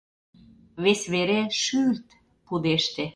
Вес вере — «шӱл-лт!» — пудеште.